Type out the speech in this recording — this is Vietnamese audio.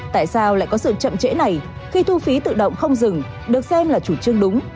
tại sao lại có sự chậm trễ này khi thu phí tự động không dừng được xem là chủ trương đúng